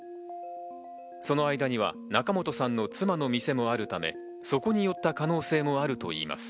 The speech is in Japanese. その間には仲本さんの妻の店もあるため、そこに寄った可能性もあるといいます。